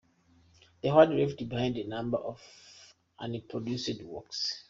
Howard left behind a number of unproduced works.